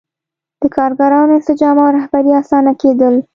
د کارګرانو انسجام او رهبري اسانه کېدل.